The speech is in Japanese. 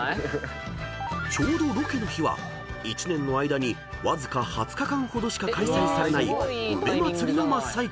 ［ちょうどロケの日は一年の間にわずか２０日間ほどしか開催されない梅まつりの真っ最中］